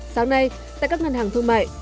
sáng nay tại các ngân hàng thương mại